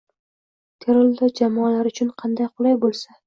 Trello jamoalar uchun qanday qulay bo’lsa